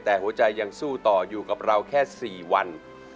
แต่หัวใจยังสู้ต่ออยู่กับเราแค่๔วัน